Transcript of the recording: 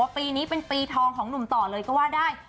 ปีนี้เป็นปีทองของหนุ่มต่อเลยก็ว่าได้